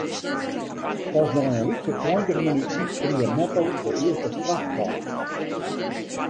Pas nei in lytse tweintich minuten krige Meppel de earste strafkorner.